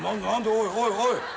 おいおいおい！